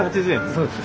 そうです。